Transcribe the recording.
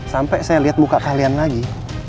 sampai saya lihat muka kalian lagi